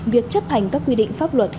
việc chấp hành các quy định pháp luật